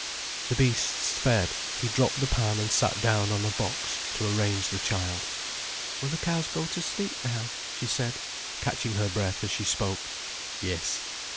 The beasts fed, he dropped the pan and sat down on a box, to arrange the child. "Will the cows go to sleep now?" she said, catching her breath as she spoke. "Yes."